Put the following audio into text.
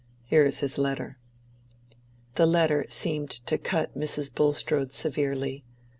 Here is his letter." The letter seemed to cut Mrs. Bulstrode severely.